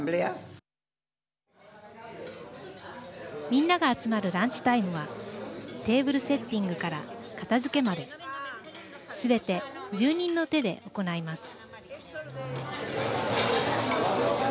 みんなが集まるランチタイムはテーブルセッティングから片づけまですべて住人の手で行います。